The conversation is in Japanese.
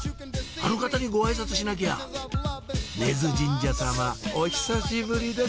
あの方にご挨拶しなきゃ根津神社様お久しぶりです